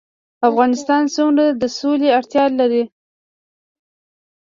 افغانستان څومره د سولې اړتیا لري؟